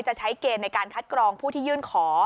จะใช้เกณฑ์ในการคัดกรองผู้ที่ยื่นขอ